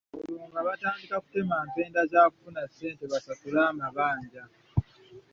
Olwo nga batandika kutema mpenda za kufunamu ssente basasule amabanja.